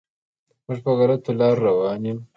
موږ په غلطو لارو روان یم.